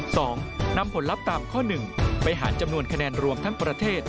นำผลลัพธ์ตามข้อหนึ่งไปหารจำนวนคะแนนรวมทั้งประเทศ